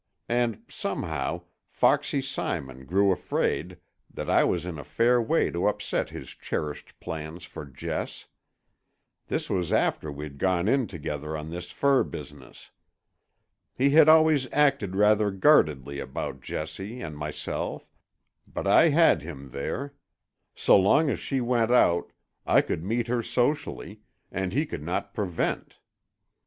And, somehow, foxy Simon grew afraid that I was in a fair way to upset his cherished plans for Jess. This was after we'd gone in together on this fur business. He had always acted rather guardedly about Jessie and myself, but I had him there; so long as she went out, I could meet her socially, and he could not prevent.